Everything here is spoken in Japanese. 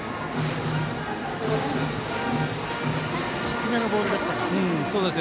低めのボールでした。